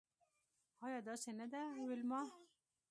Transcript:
ایا داسې نده ویلما